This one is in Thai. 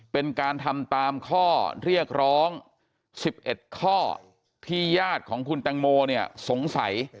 เป็นการทำตามข้อเรียกร้อง๑๑ข้อที่ญาติของคุณแตงโมเนี่ยสงสัย